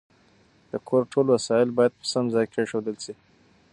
د کور ټول وسایل باید په سم ځای کې کېښودل شي.